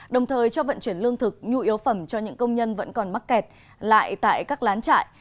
đồng thời cho vận chuyển lương thực nhu yếu phẩm cho những công nhân vẫn còn mắc kẹt lại tại các lán trại